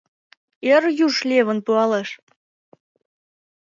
Эр юж левын пуалеш.